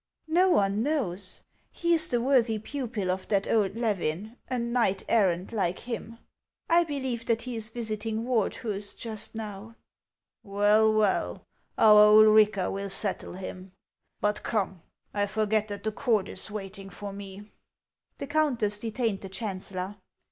Xo one knows ; he is the worthy pupil of that old Levin, a knight errant like him. I believe that he is visiting Wardhus just now." " Well, well, our Ulrica will settle him. But come, I forget that the court is waiting for me." The countess detained the chancellor.